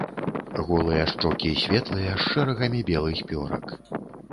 Голыя шчокі светлыя з шэрагамі белых пёрак.